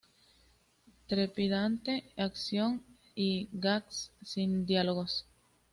Trepidante acción y gags sin diálogos.